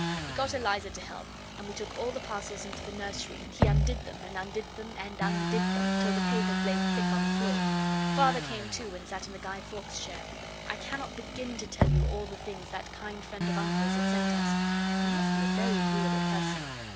He got Eliza to help, and we took all the parcels into the nursery and he undid them and undid them and undid them, till the papers lay thick on the floor. Father came too and sat in the Guy Fawkes chair. I cannot begin to tell you all the things that kind friend of Uncle's had sent us. He must be a very agreeable person.